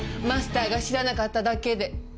マスターが知らなかっただけで。